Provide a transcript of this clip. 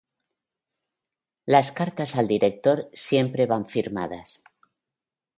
Las cartas al director siempre van firmadas.